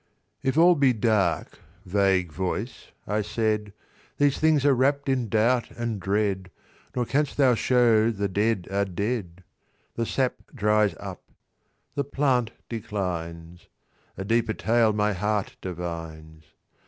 "If all be dark, vague voice," I said, "These things are wrapt in doubt and dread, Nor canst thou show the dead are dead. "The sap dries up: the plant declines. A deeper tale my heart divines.